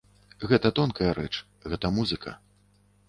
Гэта тонкая рэч, гэта музыка.